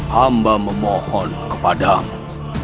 hamba memohon kepadamu